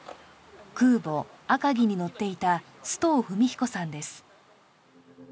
空母赤城に乗っていた須藤文彦さんです